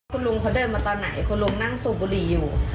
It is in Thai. คุณลุงเขาเดินมาตอนไหนคุณลุงนั่งสูบบุหรี่อยู่